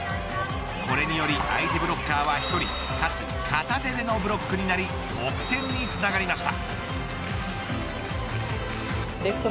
これにより相手ブロッカーは１人かつ、片手でのブロックになり得点につながりました。